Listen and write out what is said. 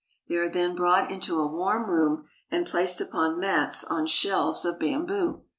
They are then brought into a warm room, and placed upon mats on shelves of bamboo.